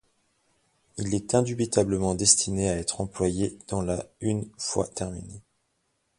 Il est indubitablement destiné à être employé dans la une fois terminé.